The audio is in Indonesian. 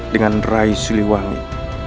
dengan rai suliwangi